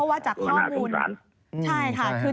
เอ่อโนด้านวันสามสาว